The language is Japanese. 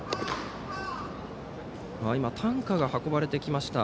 担架が運ばれてきました。